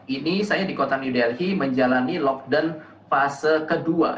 ini saya di kota new delhi menjalani lockdown fase kedua